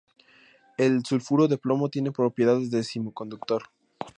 El sulfuro de plomo tiene propiedades de semiconductor.